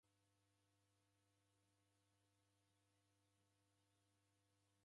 Dapata malagho maw'ishi kufuma icho kifumbu.